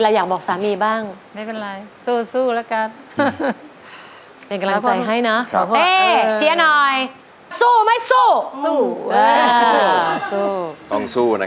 ใช้ไม่ใช้ไม่ใช้ไม่ใช้ไม่ใช้ไม่ใช้ไม่ใช้ไม่ใช้ไม่ใช้